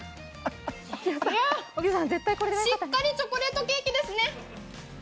しっかりチョコレートケーキですね。